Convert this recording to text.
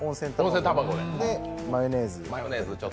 それでマヨネーズ。